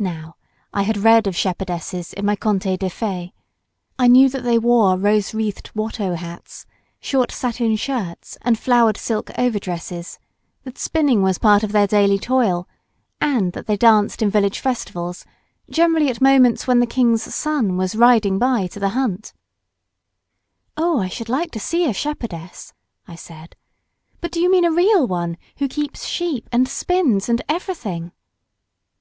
Now I had read of shepherdesses in my Contes de Fées. I knew that they wore rose wreathed Watteau hats, short satin shirts, and flowered sills overdresses, that spinning was part of their daily toil, and that they danced in village festivals, generally at moments when the king's son was riding by to the hunt. "Oh, I should like to see a shepherdess," I said. "But do you mean a real one who keeps sheep and spins and everything?"